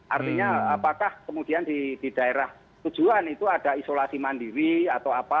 artinya apakah kemudian di daerah tujuan itu ada isolasi mandiri atau apa